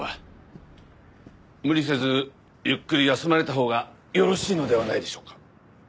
無理せずゆっくり休まれたほうがよろしいのではないでしょうか。